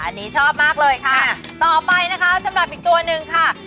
อันนี้ชอบมากเลยค่ะต่อไปนะคะสำหรับอีกตัวหนึ่งค่ะ